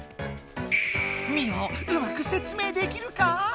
ミオうまくせつ明できるか？